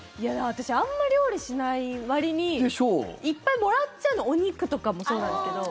私あんま料理しないわりにいっぱいもらっちゃうのお肉とかもそうなんですけど。